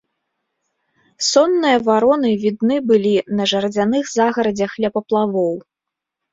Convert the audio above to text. Сонныя вароны відны былі на жардзяных загарадзях ля паплавоў.